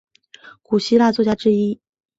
古希腊作家之一。